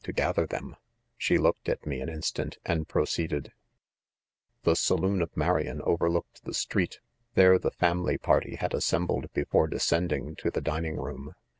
to gather them ! She looked' at me an Instant, and proceeded : 6 The saloon of Marion overlooked the street; there the family party had assembled before descending to the dining room.